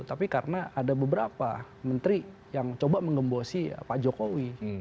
tapi karena ada beberapa menteri yang coba mengembosi pak jokowi